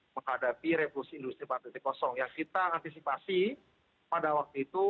menghadapi revolusi industri empat yang kita antisipasi pada waktu itu